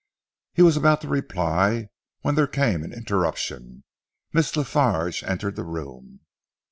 He was about to reply when there came an interruption. Miss La Farge entered the room.